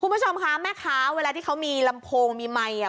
คุณผู้ชมคะแม่ค้าเวลาที่เขามีลำโพงมีไมค์อ่ะ